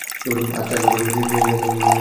আর আজ চার বছর পর সে তাঁরই নিকট মদীনা যাচ্ছে।